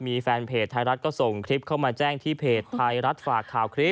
มีแฟนเพจไทยรัฐก็ส่งคลิปเข้ามาแจ้งที่เพจไทยรัฐฝากข่าวคลิป